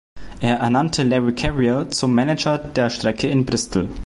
Er ernannte Larry Carrier zum Manager der Strecke in Bristol.